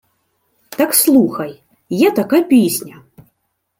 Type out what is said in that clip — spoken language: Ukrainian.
— Так слухай. Є така пісня: